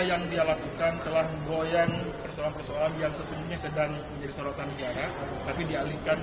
ya kita juga akan mencoba membuktikan